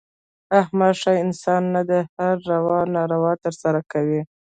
احمد ښه انسان نه دی. هره روا ناروا ترسه کوي.